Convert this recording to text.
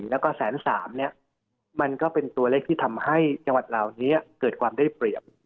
แล้วก็แสนสามเนี่ยมันก็เป็นตัวเลขที่ทำให้จังหวัดเหล่านี้เกิดความได้เปรียบ